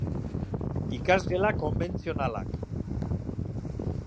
Ikasgela konbentzionalak